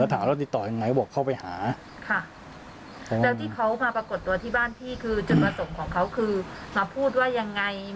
ถามแล้วติดต่อยังไงก็บอกเข้าไปหาค่ะแล้วที่เขามาปรากฏตัวที่บ้านพี่คือจุดประสงค์ของเขาคือมาพูดว่ายังไง